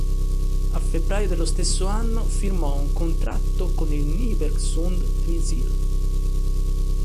A febbraio dello stesso anno, firmò un contratto con il Nybergsund-Trysil.